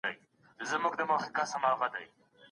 لطفا مړ ږدن ډنډ ته نږدې مه ګڼئ.